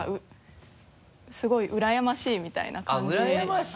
すごいうらやましいみたいな感じですね。